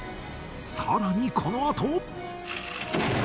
さらにこのあと